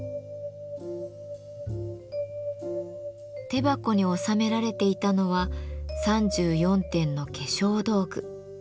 手箱に収められていたのは３４点の化粧道具。